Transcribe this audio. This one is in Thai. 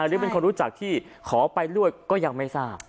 หรือเป็นคนรู้จักที่ขอไปด้วยก็ยังไม่ทราบ